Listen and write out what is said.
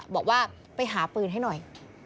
บอกว่าไปหาปืนให้หน่อย